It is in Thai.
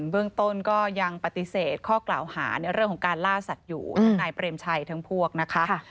เบื้องต้นก็ยังปฏิเสธข้อกล่าวหาในเรื่องของการล่าสัตว์อยู่ทั้งนายเปรมชัยทั้งพวกนะคะ